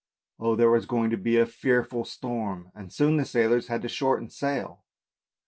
Oh, there was going to be a fearful storm! and soon the sailors had to shorten sail.